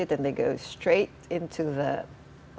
dan mereka bergerak